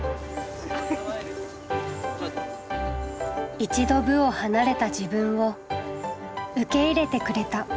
一度部を離れた自分を受け入れてくれた。